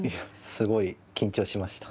すごい緊張しました。